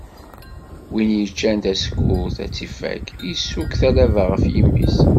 Win yeččan tasekkurt ar tt-ifak, isuk talaba ɣef yimi-s.